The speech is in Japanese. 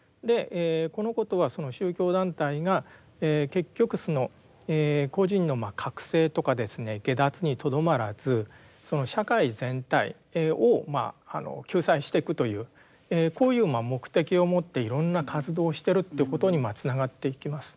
このことはその宗教団体が結局個人のまあ覚醒とかですね解脱にとどまらずその社会全体を救済してくというこういう目的を持っていろんな活動をしてるということにつながっていきます。